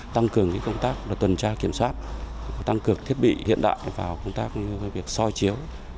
tăng cường công tác tuần tra kiểm soát tăng cường thiết bị hiện đại vào công tác việc soi chiếu